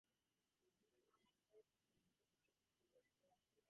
If a number came up, the team's Dasher moved ahead that many spaces.